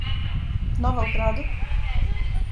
Нова у граду?